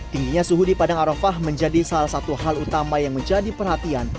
tingginya suhu di padang arofah menjadi salah satu hal utama yang menjadi perhatian